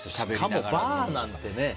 しかもバーなんてね。